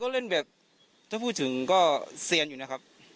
ก็เล่นแบบถ้าพูดถึงก็เซียนอยู่นะครับ